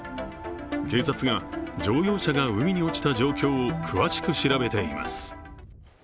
警察が乗用車が海に落ちた状況を詳しく調べています。